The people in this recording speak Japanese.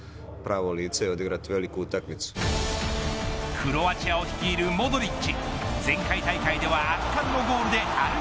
クロアチアを率いるモドリッチ。